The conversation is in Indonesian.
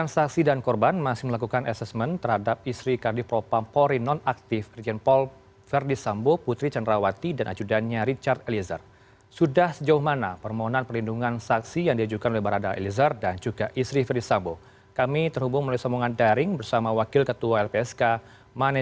sebagai korban maupun sebagai saksi